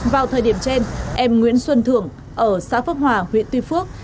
vào thời điểm trên em nguyễn xuân thưởng ở xã phước hòa huyện tuy phước